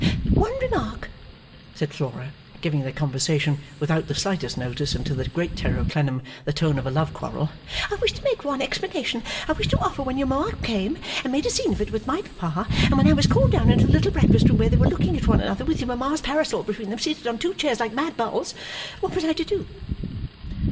'One remark,' said Flora, giving their conversation, without the slightest notice and to the great terror of Clennam, the tone of a love quarrel, 'I wish to make, one explanation I wish to offer, when your Mama came and made a scene of it with my Papa and when I was called down into the little breakfast room where they were looking at one another with your Mama's parasol between them seated on two chairs like mad bulls what was I to do?